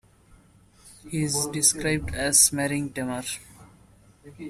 He is described as marrying Tamar.